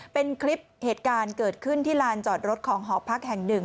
เป็นคลิปเหตุการณ์เกิดขึ้นที่ลานจอดรถของหอพักแห่งหนึ่ง